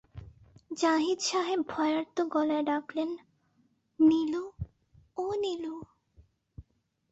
জাহিদ সাহেব ভয়ার্ত গলায় ডাকলেন, নীলু, ও নীলু।